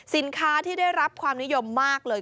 สินค้าที่ได้รับความนิยมมากเลย